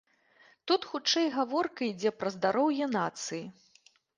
Тут хутчэй гаворка ідзе пра здароўе нацыі.